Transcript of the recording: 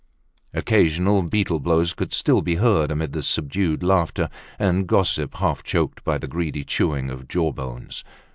Occasional beetle blows could still be heard amid the subdued laughter and gossip half choked by the greedy chewing of jawbones.